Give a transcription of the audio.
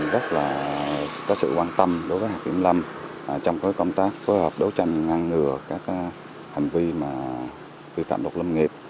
rất là có sự quan tâm đối với hạt kiểm lâm trong công tác phối hợp đấu tranh ngăn ngừa các hành vi vi phạm luật lâm nghiệp